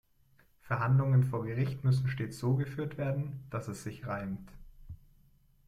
Verhandlungen vor Gericht müssen stets so geführt werden, dass es sich reimt.